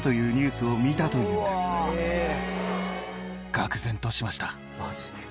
がくぜんとしました。